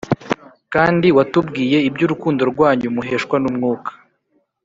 kandi watubwiye iby’urukundo rwanyu muheshwa n’Umwuka